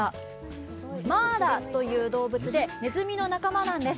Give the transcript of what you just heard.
マーラという動物で、ねずみの仲間なんです。